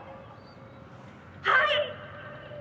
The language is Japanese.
「はい！」